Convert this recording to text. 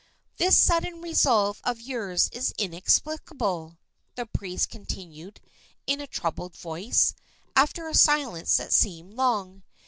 "This sudden resolve of yours is inexplicable," the priest continued in a troubled voice, after a silence that seemed long.